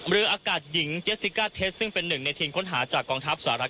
เรืออากาศหญิงเจสซิกาเทสซึ่งเป็นหนึ่งในทีมค้นหาจากกองทัพสหรัฐ